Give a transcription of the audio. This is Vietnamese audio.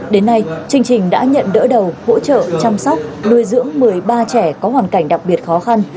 đến nay chương trình đã nhận đỡ đầu hỗ trợ chăm sóc nuôi dưỡng một mươi ba trẻ có hoàn cảnh đặc biệt khó khăn